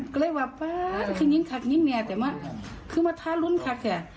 ก็เลยว่าป๊า๊กคือนิ่งคักนิ่งแต่มันคือมัธรุ้นคัก